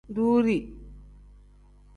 Duuri.